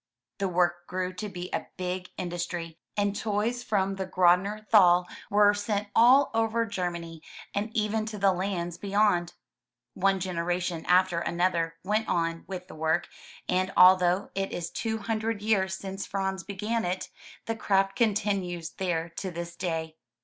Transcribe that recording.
The work grew to be a big industry, and toys from the Grodner Thai were sent all over Germany, and even to the lands beyond. One generation after another went on with the work, and although it is two hundred years since Franz began it, the craft continues there to this day.